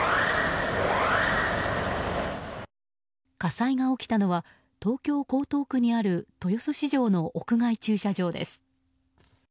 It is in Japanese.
火災が起きたのは東京・江東区にある豊洲市場の屋外駐車場です。